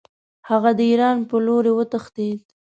هغه د ایران په لوري وتښتېد.